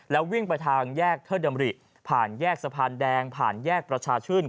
แล้ววิ่งไปทางแยกเทิดดำริผ่านแยกสะพานแดงผ่านแยกประชาชื่น